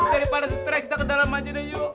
daripada stress kita ke dalam aja yuk